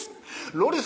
ロリス